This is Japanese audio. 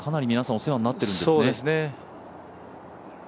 お世話になってるんですね。